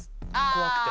怖くて。